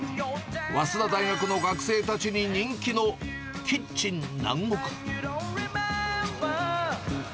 早稲田大学の学生たちに人気のキッチン南国。